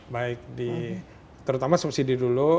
baik di terutama subsidi dulu